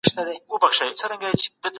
دغه کوچنی دونه تېز دی چي سړی حیران پاته کېږي.